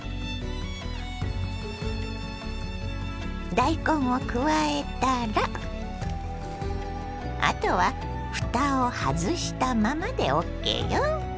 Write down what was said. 大根を加えたらあとはふたを外したままでＯＫよ。